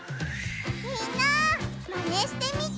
みんなマネしてみてね！